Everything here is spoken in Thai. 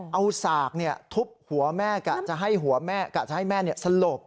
เอาสากทุบหัวแม่กะจะให้หัวแม่กะจะให้แม่สลบ